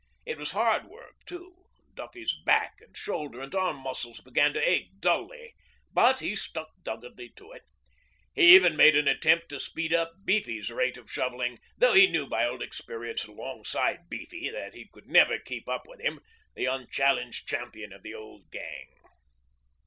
It was hard work too. Duffy's back and shoulder and arm muscles began to ache dully, but he stuck doggedly to it. He even made an attempt to speed up to Beefy's rate of shovelling, although he knew by old experience alongside Beefy that he could never keep up with him, the unchallenged champion of the old gang.